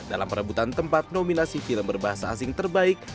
dalam perebutan tempat nominasi film berbahasa asing terbaik